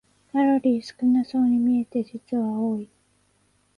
カロリー少なそうに見えて実は多い